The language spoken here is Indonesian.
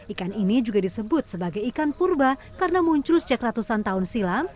ikan ini juga disebut sebagai ikan purba karena muncul sejak ratusan tahun silam